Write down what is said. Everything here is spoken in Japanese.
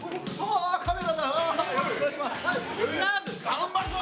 頑張るぞ！